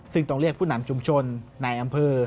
ซึ่งต้องเรียกผู้นำชุมชนในอำเภอ